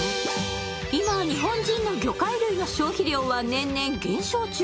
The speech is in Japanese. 今、日本人の魚介類の消費量は年々減少中。